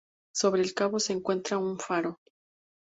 Sobre el cabo se encuentra un faro.